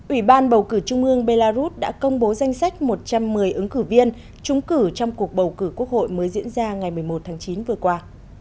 ủy ban bầu cử trung ương belarus đã công bố danh sách một trăm một mươi ứng cử viên trúng cử trong cuộc bầu cử quốc hội mới diễn ra ngày một mươi một tháng chín vừa qua